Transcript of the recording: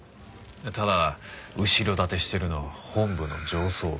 ただ後ろ盾してるのは本部の上層部。